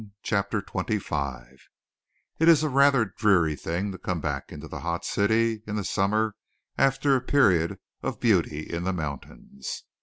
CHAPTER XXV It is a rather dreary thing to come back into the hot city in the summer after a period of beauty in the mountains.